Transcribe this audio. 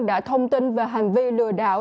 đã thông tin về hành vi lừa đảo